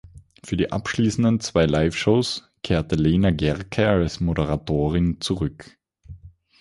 Für die abschließenden zwei Liveshows kehrte Lena Gercke als Moderatorin zurück.